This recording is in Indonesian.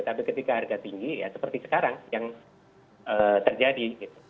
tapi ketika harga tinggi ya seperti sekarang yang terjadi